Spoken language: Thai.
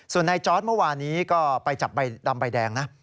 ส่วนนายจอร์ดเมื่อวานนี้ก็ไปจับใบดำใบแดงนะ